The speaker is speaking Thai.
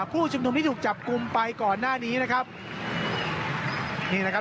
ผู้ชุมนุมที่ถูกจับกลุ่มไปก่อนหน้านี้นะครับนี่นะครับ